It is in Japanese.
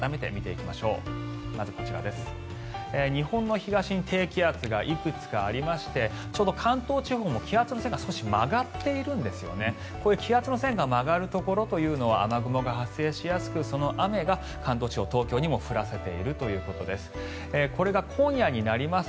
こういう気圧の線が曲がるところというのは雨雲が発生しやすくその雨が関東地方、東京にも降らせているということです。